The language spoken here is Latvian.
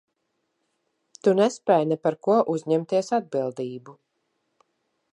Tu nespēj ne par ko uzņemties atbildību.